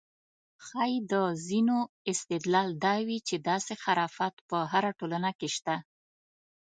ښایي د ځینو استدلال دا وي چې داسې خرافات په هره ټولنه کې شته.